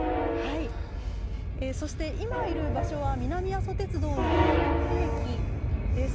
そして、今いる場所は、南阿蘇鉄道の高森駅です。